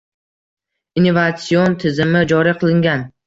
Innovatsion tizimi joriy qilingan